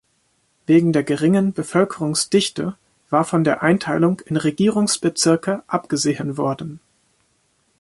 Wegen der geringeren Bevölkerungsdichte war von der Einteilung in Regierungsbezirke abgesehen worden.